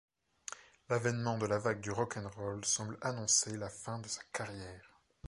L'avènement de la vague du rock'n'roll semble annoncer la fin de sa carrière.